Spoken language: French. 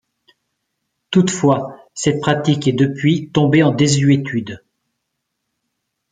Toutefois, cette pratique est depuis tombée en désuétude.